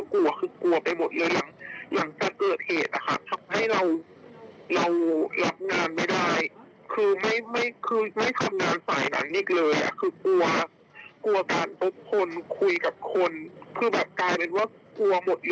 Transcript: กลัวกับการที่ต้องอยู่กับใครใช่แบบหล่ำตำหลำพังอะไรแบบอย่างนี้ค่ะ